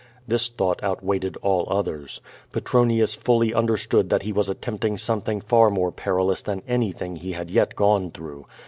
This thought outweighted all oth ers. Petronius fully understood that he was attempting something far more perilous than anything he had yet gone through.